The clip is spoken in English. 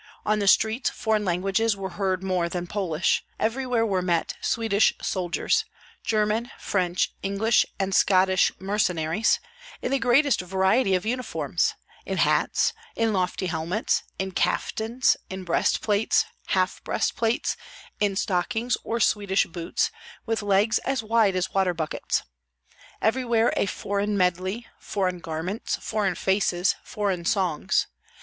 On the streets foreign languages were heard more than Polish; everywhere were met Swedish soldiers, German, French, English, and Scottish mercenaries, in the greatest variety of uniforms, in hats, in lofty helmets, in kaftans, in breastplates, half breastplates, in stockings, or Swedish boots, with legs as wide as water buckets. Everywhere a foreign medley, foreign garments, foreign faces, foreign songs.